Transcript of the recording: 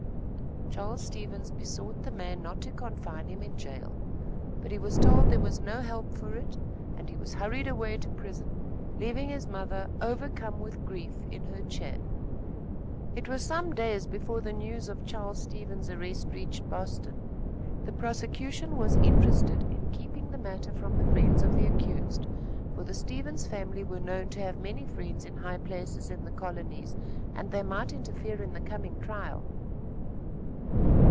Charles Stevens besought the man not to confine him in jail, but was told there was no help for it, and he was hurried away to prison, leaving his mother overcome with grief in her chair. It was some days before the news of Charles Stevens' arrest reached Boston. The prosecution was interested in keeping the matter from the friends of the accused, for the Stevens family were known to have many friends in high places in the colonies, and they might interfere in the coming trial.